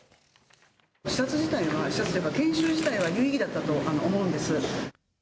視察自体は、視察というか、研修自体は有意義だったと思うんです。